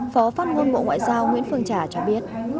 phó phát ngôn bộ ngoại giao nguyễn phương trả cho biết